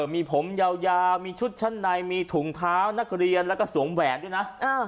มีผมยาวมีชุดชั้นในมีถุงเท้านักเรียนแล้วก็สวมแหวนด้วยนะ